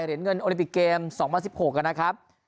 เหรียญเงินโอลิปิกเกม๒๐๑๖นะครับ